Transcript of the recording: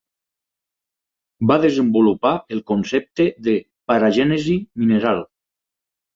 Va desenvolupar el concepte de paragènesi mineral.